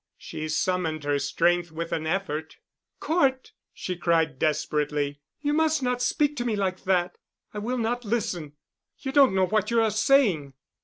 She summoned her strength with an effort. "Cort!" she cried desperately. "You must not speak to me like that. I will not listen. You don't know what you are saying."